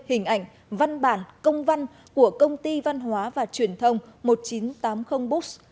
hình ảnh văn bản công văn của công ty văn hóa và truyền thông một nghìn chín trăm tám mươi books